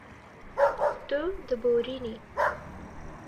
Tu diborînî.